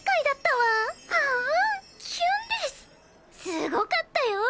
すごかったよ！